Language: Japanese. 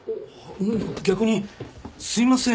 逆にすいません